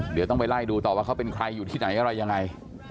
เดี๋ยวต้องไปไล่ดูต่อว่าเขาเป็นใครอยู่ที่ไหนอะไรยังไง